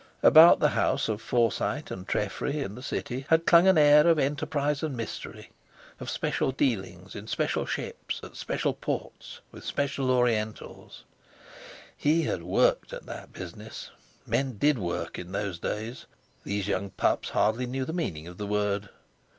About the house of Forsyte and Treffry in the City had clung an air of enterprise and mystery, of special dealings in special ships, at special ports, with special Orientals. He had worked at that business! Men did work in those days! these young pups hardly knew the meaning of the word.